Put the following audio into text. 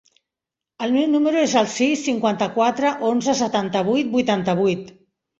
El meu número es el sis, cinquanta-quatre, onze, setanta-vuit, vuitanta-vuit.